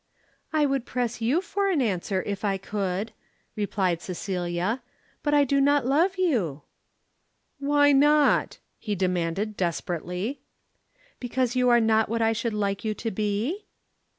"I would press you for an answer, if I could," replied Cecilia, "but I do not love you." "Why not?" he demanded desperately. "Because you are not what I should like you to be?"